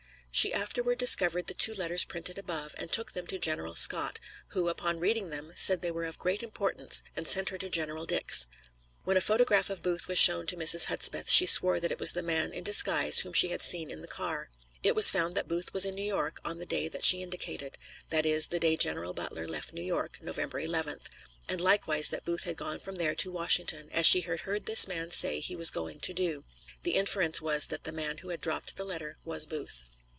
She afterward discovered the two letters printed above, and took them to General Scott, who, upon reading them, said they were of great importance, and sent her to General Dix. When a photograph of Booth was shown to Mrs. Hudspeth, she swore that it was the man in disguise whom she had seen in the car. It was found that Booth was in New York on the day that she indicated that is, the day General Butler left New York, November 11th and likewise that Booth had gone from there to Washington, as she had heard this man say he was going to do. The inference was that the man who had dropped the letter was Booth.